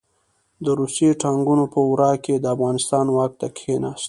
د روسي ټانګونو په ورا کې د افغانستان واک ته کښېناست.